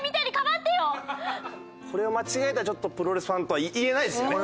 これを間違えたらちょっとプロレスファンとは言えないですよね。